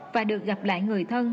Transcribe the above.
và được gặp lại người thân